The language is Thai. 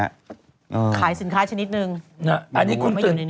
ขายสินค้าชนิดหนึ่ง